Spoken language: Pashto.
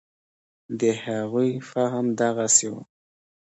د هغوی فهم دغسې و.